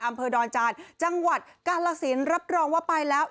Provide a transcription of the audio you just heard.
อำเภอดอนจานจังหวัดกาลสินรับรองว่าไปแล้ว